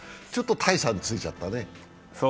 ちょっと大差ついちゃったね。